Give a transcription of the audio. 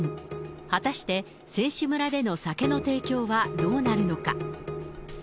果たして、選手村での酒の提供はどうなるのか。